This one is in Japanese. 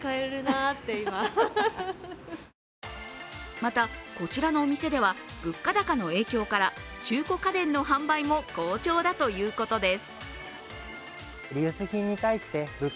また、こちらのお店では物価高の影響から中古家電の販売も好調だということです。